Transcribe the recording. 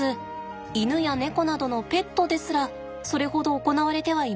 イヌやネコなどのペットですらそれほど行われてはいません。